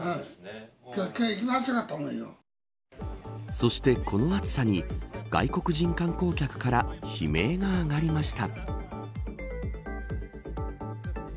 そして、この暑さに外国人観光客から悲鳴が上がりました。